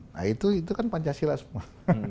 nah itu kan pancasila semua